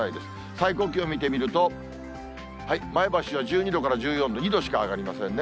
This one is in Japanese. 最高気温見てみると、前橋は１２度から１４度、２度しか上がりませんね。